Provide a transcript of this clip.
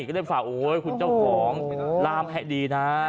ก็เลยฝากโอ๊ยคุณเจ้าของล่ามให้ดีนะ